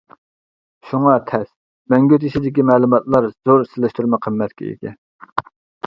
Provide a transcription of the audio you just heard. شۇڭا تەس مەڭگۈ تېشىدىكى مەلۇماتلار زور سېلىشتۇرما قىممەتكە ئىگە.